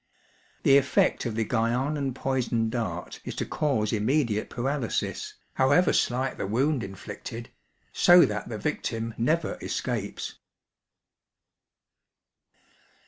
The effect of the Guianan poisoned dart is to cause immediate paralysis, however slight the wound inflicted, so that the victim never escapes.